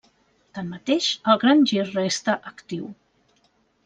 Tanmateix, el Gran Gir resta actiu.